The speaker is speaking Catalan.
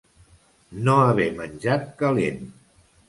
No haver menjat calent.